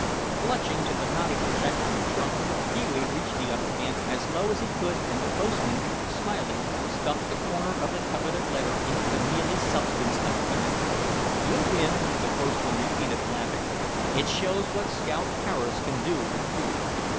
Clutching to the knotty projection of trunk, Pee wee reached the other hand as low as he could and the postman, smiling, stuck the corner of the coveted letter into the mealy substance of the banana. "You win," the postman repeated laughingly; "it shows what Scout Harris can do with food."